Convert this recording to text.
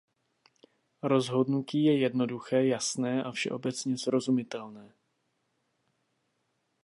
Rozhodnutí je jednoduché, jasné a všeobecně srozumitelné.